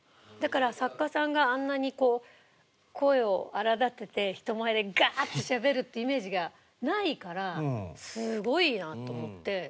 だから作家さんがあんなにこう声を荒立てて人前でガーッてしゃべるっていうイメージがないからすごいなと思って。